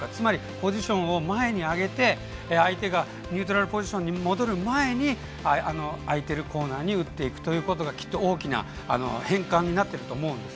ポジションを上げて相手がニュートラルポジションに戻る前に空いているコーナーに打つことが大きな変換になってると思うんです。